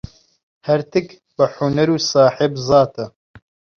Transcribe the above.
هەرتک بە حونەر و ساحێب زاتە.